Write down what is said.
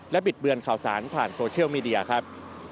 บิดเบือนข่าวสารผ่านโซเชียลมีเดียครับ